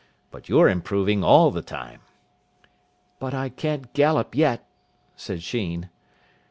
But you're improving all the time." "But I can't gallop yet," said Sheen.